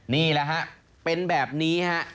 นี่แหละฮะเป็นแบบนี้ฮะ